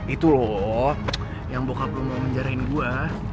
itu loh yang bokap lo mau menjarahin gue